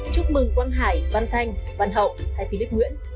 chúc mừng quang hải văn thanh văn hậu hay philip nguyễn